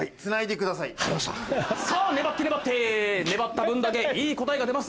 さぁ粘って粘って粘った分だけいい答えが出ます。